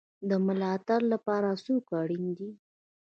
د ملاتړ لپاره څوک اړین دی؟